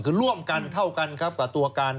คือร่วมกันเท่ากันครับกับตัวการ